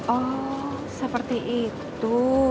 oh seperti itu